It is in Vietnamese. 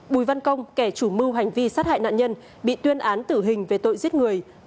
bùi văn công kẻ chủ mưu hành vi sát hại nạn nhân bị tuyên án tử hình về tội giết người